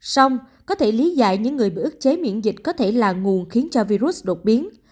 xong có thể lý giải những người bị ức chế miễn dịch có thể là nguồn khiến cho virus đột biến